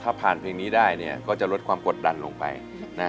ถ้าผ่านเพลงนี้ได้เนี่ยก็จะลดความกดดันลงไปนะ